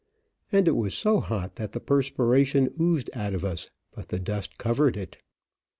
And it was so hot that the perspiration oozed out of us, but the dust covered it.